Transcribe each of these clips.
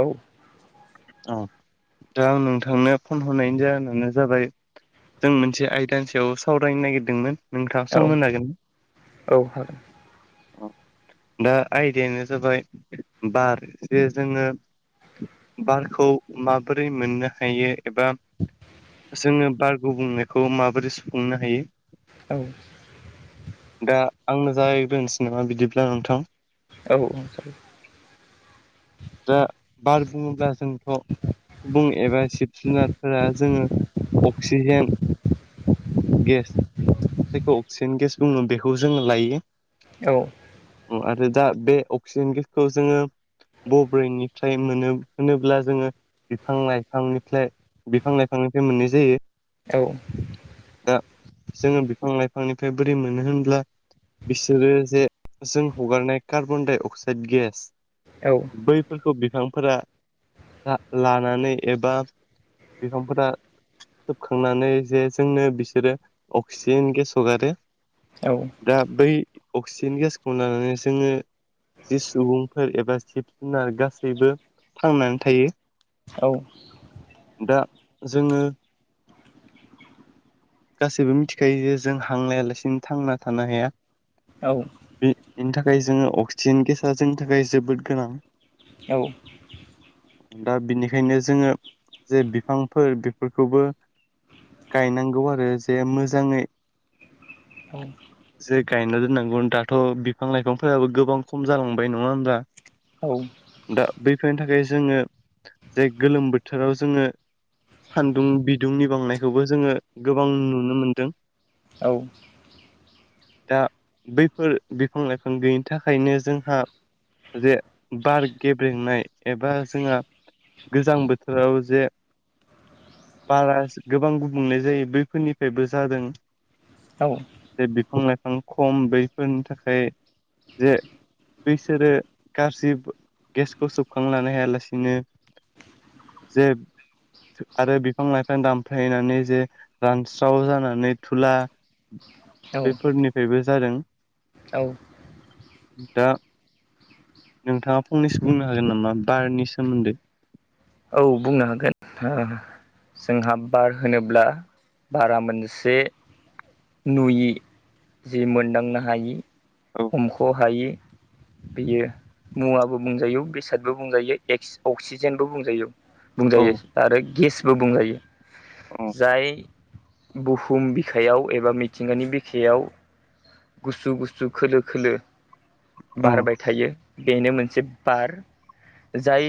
औ। औ दा आं नोंथांनो फन हरायनि जाहोनानो जाबाय जों मोनसे आयदानि सायाव सावरायनो नागिरदोंमोन नोंथाङा सम औ मोनजागोन औ हागोन अ दा आयदायानो जाबाय बार जे जोङोश्र बारखौ माबोरै मोननो हायो एबा जोङो बार गुबुंलेखौ माबोरै सुफुंनो हायो औ दा आंनो जागाय ग्रोनोसै नामा बिदिब्ला नोंथां औ होनब्ला जोंथ' सुबुं एबा सिब जुनारफोरा जोङो अक्सिजेन गेस जायखौ अक्सिजेन गेस बुङो बेखौ जोङो लायो औ आरो दा बे अक्सिजेन गेसखौ जोङो बब्रैनिफ्राय मोनो होनोब्ला जोङो बिफां लाइफांनिफ्राय बिफां लाइफांनिफ्राय मोननाय जायो औ दा जोङो बिफां लाइफांनिफ्राय बोरै मोनो होनब्ला बिसोरो जे जों हगारनाय कार्बन डाइ अक्साइद गेस औ बैफोरखौ बिफांफोरा लानानै एबा बिफांफोरा सोबखांनानै जे जोंनो बिसोरो अक्सिजेन गेस हगारो औ दा बै अक्सिजेन गेसखौ लानानै जोङो जि सुबुंफोर एबा जिब जुनार गासैबो थांनानै थायो औ दा जोङो गासैबो मिथिखायो जे जों हांलायालासिनो थांना थानो हाया। बेनि थाखाय जोङो अक्सिजेन गेसा जोंनि थाखाय जोबोद गोनां औ। दा बिनिखायनो जोङो जे बिफांफोर बेफोरखौबो गायनांगौ आरो जे मोजाङै औ। जे गायना दोननांगौ दाथ' बिफां लाइफांफोराबो गोबां खम जालांबाय नङा होमबा दा बैफोरनि थाखाय जोङो जे गोलोम बोथोराव जोङो सान्दुं बिदुंनि बांनायखौबो जोङो गोबां नुनो मोनदों। दा बैफोर बिफां लाइफां गैयिनि थाखायनो जोंहा जे बार गेब्रेंनाय एबा जोंहा गोजां बोथोराव जे बारा गोबां गुबुंले जायो बैफोरनिफ्रायबो जादों जे बिफां लाइफां खम बैफोरनि थाखाय जे बैसोरो गाज्रि गेसखौ सोबखांलानो हायालासिनो जे आरो बिफां लाइफां दामफायनानै जे रानस्राव जानानै थुला औ बेफोरनिफ्रायबो जादों औ दा नोंथाङा फंनैसो बुंनो हागोन नामा बारनि सोमोन्दै बुंनो हागोन हा जोंहा बार होनोब्ला बारा मोनसे नुयि जे मोनदांनो हायि औ हमख'हायि बेयो मुवाबो बुंजायो बेसादबो बुंजायो एक्स अक्सिजेनबो बुंजायो औ बुंजायो आरो गेसबो बुंजायो औ जाय बुहुम बिखायाव एबा मिथिंगानि बिखायाव गुसु गुसु खोलो खोलो औ बारबाय थायो बेनो मोनसे बार जाय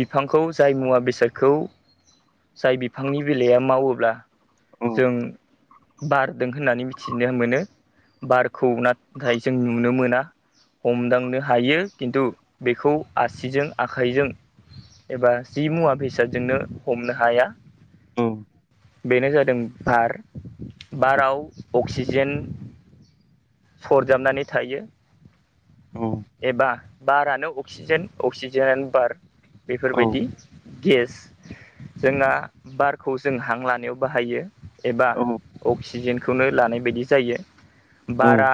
बिफांखौ जाय मुवा बेसादखौ जाय बिफांनि बिलाइया मावोब्ला औ जों बारदों होननानै मिथिनो मोनो बारखौ नाथाय जों नुनो मोना हमदांनो हायो खिन्थु बेखौ आसिजों आखाइजों एबा जि मुवा बेसादजोंनो हमनो हाया औ बेनो जादों बार बाराव अक्सि जेन सरजाबनानै थायो औ एबा बारानो अक्सिजेन अक्सिजेनानो बार औ बेफोरबायदि गेस जोंना बारखौ जों हां लानायाव बाहायो एबा अक्सिजेनखौनो लानाय बायदि जायो औ बारा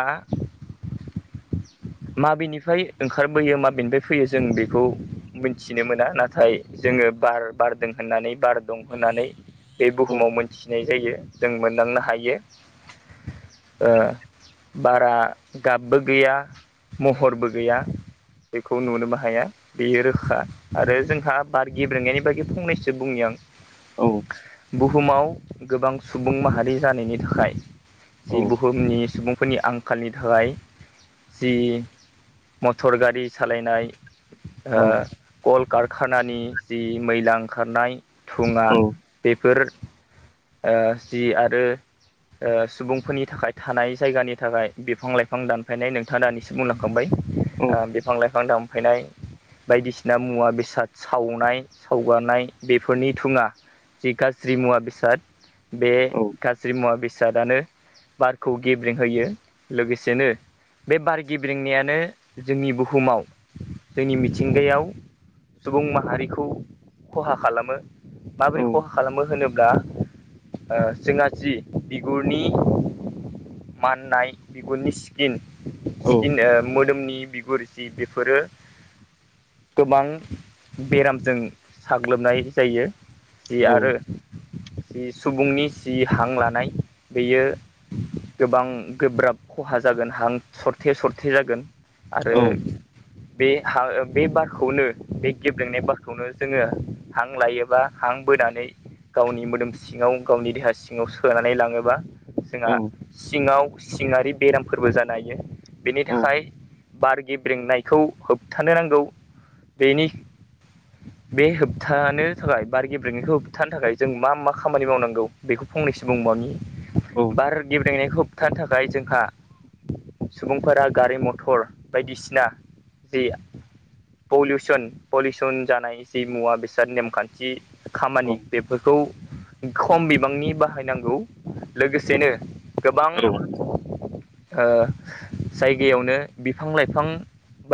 [inaudible] माबेनिफ्राय ओंखारबोयो माबेनिफ्राय फैयो जों बेखौ मोनथिनो मोना नाथाय जोङो बार बारदों होननानै बार दं होननानै बे बुहुमाव मोनथिनाय जायो जों मोनदांनो हायो ओ बारा गाबबो गैया महरबो गैया बेखौ नुनोबो हाया बेयो रोखा आरो जोंहा बार गेब्रेंनायनि बागदि फंनैसो बुंनि आं औ बुहुमाव गोबां सुबुं माहारि जानायनि थाखाय औ जि बुहुमनि सुबुं फोरनि आंखालनि थाखाय जि मटर गारि सालायनाय ओ कल कारखानानि जि मैला ओंखारनाय थुङा बेफोर ओ जि आरो ओ सुबुं फोरनि थाखाय थानाय जायगानि थाखाय बिफां लाइफां दानफायनाय नोंथाङा दानिसिम बुंलांखांबाय औ ओ बिफां लाइफां दामफायनाय बायदिसिना मुवा बेसाद सावनाय सावगारनाय बेफोरनि धुङा जि गाज्रि मुवा बेसाद बे औ गाज्रि मुवा बेसादानो बारखौ गेब्रें होयो लोगोसेनो बे बार गेब्रेंनायानो जोंनि बुहुमाव जोंनि मिथिंगायाव सुबुं माहारिखौ खहा खालामो माबोरै खहा खालामो होनोब्ला जोंहा जि बिगुरनि माननाय बिगुरनि स्किन मोदोमनि बिगुर जि बेफोरो गोबां बेरामजों साग्लोबनाय जायो जि आरो बे सुबुंनि जि हां लानाय बेयो गोबां गोब्राब खहा जागोन हां सरथे सरथे जागोन। आरो बे बे बारखौनो बे गेब्रेंनाय बारखौनो जोङो हां लायोबा हां हां बोनानै गावनि मोदोम सिङाव गावनि देहा सिङाव सोनानै लाङोबा जोंहा सिङाव सिङारि बेरामफोरबो जानो हायो बेनि थाखाय बार गेब्रेंनायखौ होबथानो नांगौ बेनि। बे होबथानो थाखाय बार गेब्रेंनायखौ होबथानो थाखाय जों मा मा खामानि मावनांगौ बेखौ। फंनैसो बुंबावानि बार गेब्रेनायखौ होबथानो थाखाय जोंहा सुबुंफोरा गारि मथर बायदिसिना जि पलिउसन पलिउसन जानाय जि मुवा बेसाद नेमखान्थि खामानि बेफोरखौ खम बिबांनि बाहायनांगौ लोगोसेनो गोबां ओ जायगायावनो बिफां लाइफां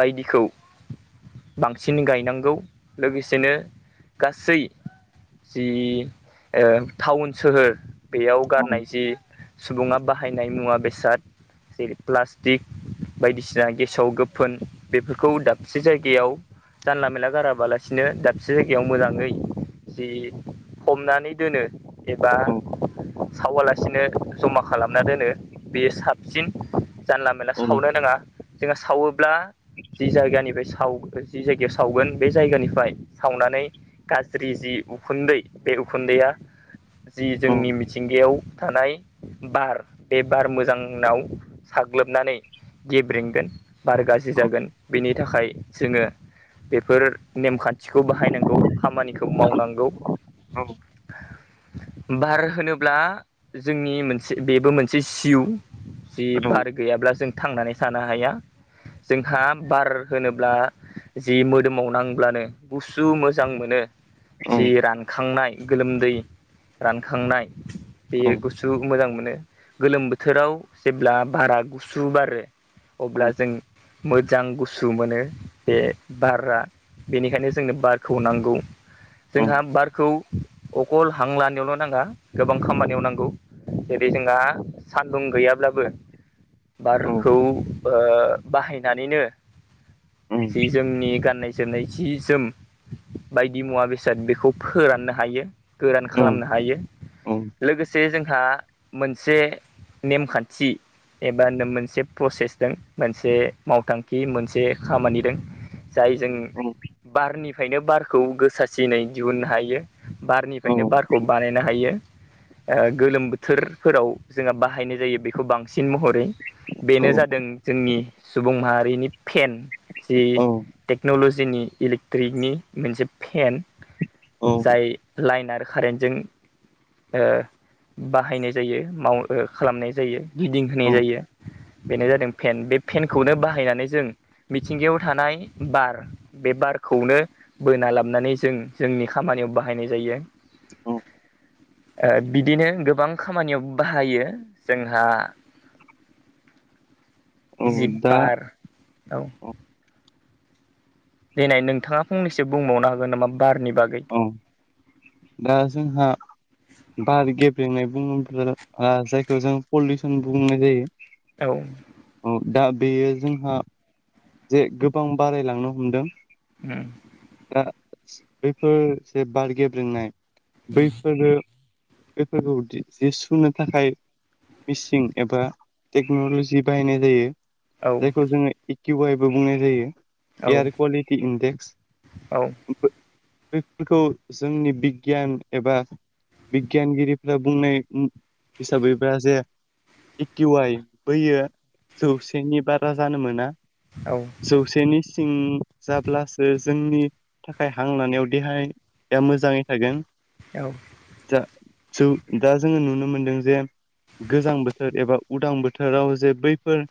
बायदिखौ बांसिन गायनांगौ लोगोसेनो गासै जि ओ टाउन सोहोर बेयाव नाय जि सुबुङा बाहायनाय मुवा बेसाद जेरै प्लास्टिक। बायदिसिना गेसाव गोफोन बेफोरखौ दाबसे जायगायाव जानला मेला गाराबालासिनो दाबसे जायगायाव मोजाङै जि हमनानै दोनो एबा सावालासिनो जमा खालामना दोनो बेयो साबसिन जानला मला सावनो नाङा जोङो सावोब ब्ला जि जायगानिफ्राय साव जि जायगायाव सावगोन बे जायगानिफ्राय सावनानै गाज्रि जि उखुन्दै बे उखुन्दैआ [inaudible] जि जोंनि मिथिं गायाव थानाय बार बे बार मोजाङाव साग्लोबनानै गेब्रंगोन बार गाज्रि जागोन बेनि थाखाय जोङो। बेफोर नेमखान्थिखौ बाहायनांगौ खामानिखौ मावनांगौ। औ बार होनोब्ला जोंनि मोनसे बेबो मोनसे सिउ जि बार गैयाब्ला जों थांनानै थानो हाया। जोंहा बार होनोब्ला जि मोदोमाव नांब्लानो गुसु मोजां मोनो जि रानखांनाय। गोलोमदै रानखांनाय बेयो गुसु मोजां मोनो। गोलोम बोथोराव जेब्ला बारा गुसु बारो। अब्ला जों मोजां गुसु मोनो बे बारा बेनिखायनो जोंनो बारखौ नांगौ। जोंहा बारखौ अखल हांलानायावल' नाङा। गोबां खामानियाव नांगौ जेरै जोंहा सान्दुं गैयाब्लाबो। बारखौ बाहायनानैनो सि जोंनि गानना जोमनाय जि जोम बायदि मुवा बेसाद बेखौ फोराननो हायो। गोरान खालामनो हायो। लोगोसे जोंहा मोनसे नेमखान्थि एबा नों मोनसे प्रसेस द मोनसे मावथांखि मोनसे खामानि दं जाय जों बारनि फ्रायनो बारखौ गोसासिननाय दिहुननो हायो बारनिफ्रायनो बारखौ बानायनाय हायो गोलोम बोथोरफोराव जोंहा बाहायनाय जायो बेखौ बांसिन महरै। बेनो जादों जोंनि सुबुं माहारिनि फेन जि टेक्न'ल'जिनि इलेक्ट्रिकनि मोनसे फेन। जाय लाइन आरो कारेन्टजों ओ बाहायनाय जायो माव ओ खालामनाय जायो। गिदिंहोनाय जायो। बेनो जादों फेन बे फेनखौनो बाहायनानै जों मिथिंगायाव थानाय बार बे बार खौनो बोना लाबनानै जों जोंनि खामानियाव बाहायनाय जायो। औ ओ बिदिनो गोबां खामानियाव बाहायो जोंहा [inaudible] जि दा बार औ दिनै नोंथाङा फंनैसो बुंबावनो हागोन नामा? बारनि बागै औ दा जोंहा बार गेब ब्रेंनाय बुङोब्ला जायखौ जों पलिउसन बुंनाय जायो। औ औ दा बेयो जोंहा जे गोबां बारायलांनो हमदों। उम दा बैफोर जे बार गेब्रोंनाय उम बैफोरो बेफोरखौ जि सुनो थाखाय मिसिं एबा टेक्न'लजि बाहायनाय जायो। औ जायखौ जोङो इकउवायबो बुंनाय जायो। औ एयार क्वाललिटि इडेक्स औ बेफोरखौ जोंनि बिगियान एबा बिगियानगिरिफ्रा बुंनाय हिसाबैबा जे एटि वाइ बैयो जौसेनि बारा जानो मोना। जौसेनि सिं जाब्लासो जोंनि थाखाय हां लानायाव देहाया मोजाङै थागोन। औ [unintelligible] दा जोङो नुनो मोनदों जे गोजां बोथोर एबा उदां बोथोराव जे बैफोर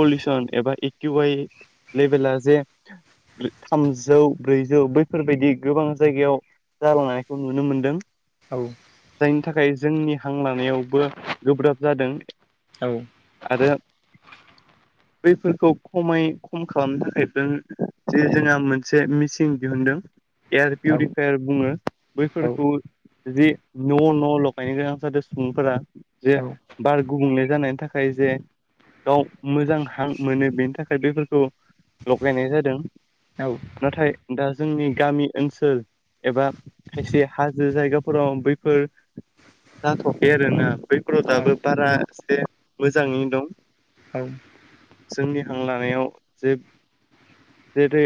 पलिउसन एबा इकिआइ लेभेला जे थामजौ ब्रैजौ बैफोरबायदि गोबां जायगायाव जालांनायखौ नुनो मोनदों। औ नि थाखाय जोंनि हां लानायावबो गोब्राब जादों। औ आरो बैफोरखौ खमाय खम खालामनो थाखाय जों जे जोंना मोनसे मेचिन दिहुनदों एयार पिउरिफायार बुङो बैफोरखौ जि न' न' लगायनो गोनां जादों सुबुंफोरा औ जे बार गुबुंले जानाय नि थाखाय जे गाव मोजां हां मोनो बेनि थाखाय बेफोरखौ लगायनाय जादों नाथाय दा जोंनि गामि ओनसोल एबा खायसे हाजो जायगाफोराव बैफोर जाथ'खै आरोना बैफोराव औ दाबो बारा एसे मोजाङैनो दं‌ औ। जोंनि हां लानायाव जे जेरै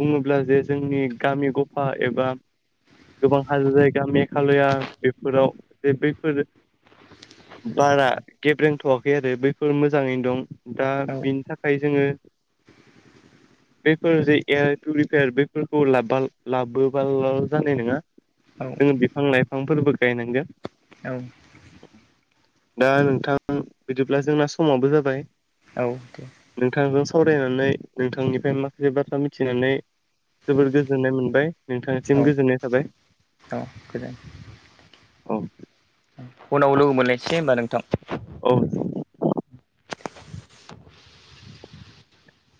बुङोब्ला जे जोंनि गामि गफा एबा गोबां हाजो जायगा मेघालया बेफोराव जे बैफोरो बारा गेब्रेंथ'वाखै आरो बैफोर मोजाङैनो दं। दा औ बिनि थाखाय जोंङो बेफोर जे एयार पउरिफायार बेफोरखौ ला लाबोब' जानाय नङा औ जोंङो बिफां लाइफांफोरबो गायनांगोन। औ। दा नोंथां बिदिब्ला जोंना समाबो जाबाय औ दे। नोंथांजों सावरायनानै नोंथांनिफ्राय माखासे बाथ्रा मिथिनानै जोबोर गोजोननाय मोनबाय। नोंथांनिसिम औ गोजोननाय थाबाय औ गोजोन औ। उनाव लोगो मोनलायनोसै ने होमबा नोंथां। औ।